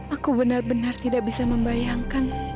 aku benar benar tidak bisa membayangkan